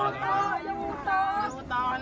อยู่ต่ออยู่ต่อ